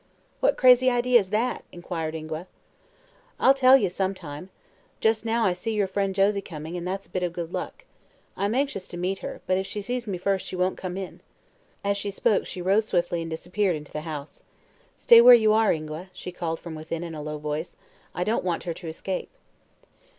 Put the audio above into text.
"What crazy idea is that?" inquired Ingua. "I'll tell you, sometime. Just now I see your friend Josie coming, and that's a bit of good luck. I'm anxious to meet her, but if she sees me first she won't come on." As she spoke she rose swiftly and disappeared into the house. "Stay where you are, Ingua," she called from within in a low voice; "I don't want her to escape."